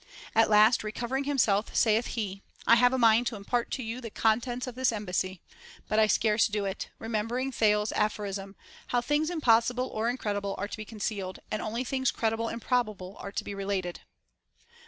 At last recovering him self, saith he, I have a mind to impart to you the contents of this embassy ; but I scarce dare do it, remembering Thales's aphorism, how things impossible or incredible are to be concealed and only things credible and probable are to be related.